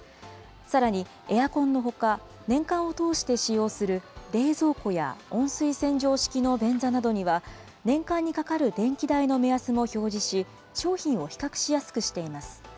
さらに、エアコンのほか、年間を通して使用する冷蔵庫や温水洗浄式の便座などには、年間にかかる電気代の目安も表示し、商品を比較しやすくしています。